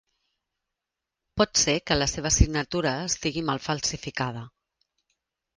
Pot ser que la seva signatura estigui mal falsificada.